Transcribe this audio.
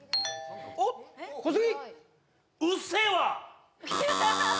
おっ小杉